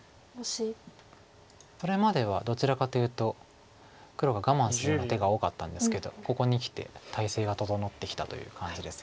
それまではどちらかというと黒が我慢するような手が多かったんですけどここにきて態勢が整ってきたという感じです。